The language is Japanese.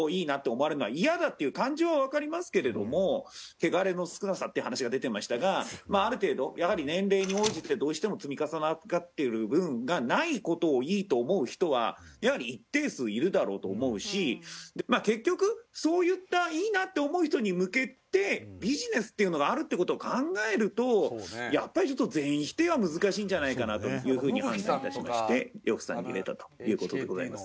汚れの少なさっていう話が出てましたがある程度やはり年齢に応じてどうしても積み重なっていく部分がない事をいいと思う人はやはり一定数いるだろうと思うし結局そういったいいなって思う人に向けてビジネスっていうのがあるっていう事を考えるとやっぱりちょっと全否定は難しいんじゃないかなというふうに判断致しまして呂布さんに入れたという事でございます。